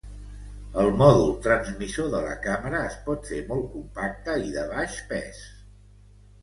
El mòdul transmissor de la càmera es pot fer molt compacte i de baix pes.